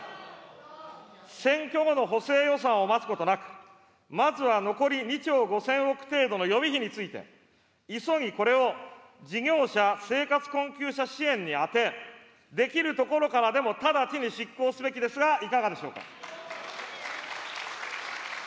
選挙後の補正予算を待つことなく、まずは残り２兆５０００億程度の予備費について、急ぎこれを事業者・生活困窮者支援に充て、できるところからでも直ちに執行すべきですが、いかがでしょうか。